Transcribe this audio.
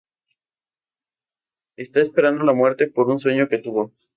Está esperando la muerte por un sueño que tuvo.